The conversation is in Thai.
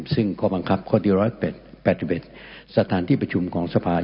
ซึ่งข้อบังคับข้อที่๑๘๑สถานที่ประชุมของสภา